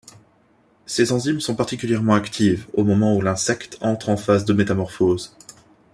Ces enzymes sont particulièrement actives au moment où l'insecte entre en phase de métamorphose.